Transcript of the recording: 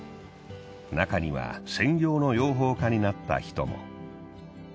中には専業の養蜂家になった人も。